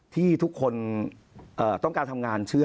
ที่ทุกคนต้องการทำงานเชื่อ